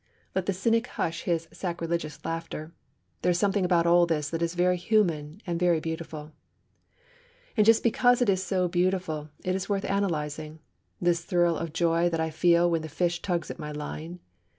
Let the cynic hush his sacrilegious laughter! There is something about all this that is very human, and very beautiful. And just because it is so beautiful, it is worth analysing, this thrill of joy that I feel when the fish tugs at my line.